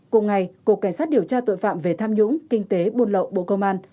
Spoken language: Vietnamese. cùng ngày cục cảnh sát điều tra tội phạm về tham nhũng kinh tế buôn lậu bộ công an